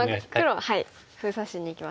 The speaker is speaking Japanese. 黒は封鎖しにいきますね。